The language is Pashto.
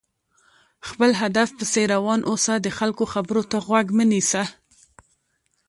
خپل هدف پسې روان اوسه، د خلکو خبرو ته غوږ مه نيسه!